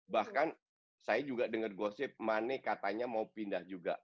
bahkan saya juga dengar gosip mane katanya mau pindah juga